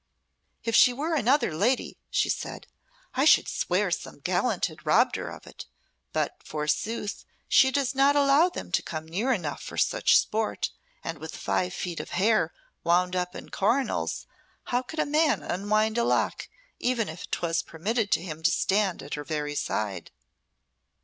"If she were another lady," she said, "I should swear some gallant had robbed her of it; but, forsooth, she does not allow them to come near enough for such sport, and with five feet of hair wound up in coronals, how could a man unwind a lock, even if 'twas permitted him to stand at her very side."